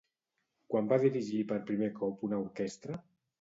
Quan va dirigir per primer cop una orquestra?